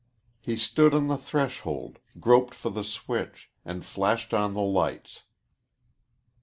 He stood on the threshold, groped for the switch, and flashed on the lights.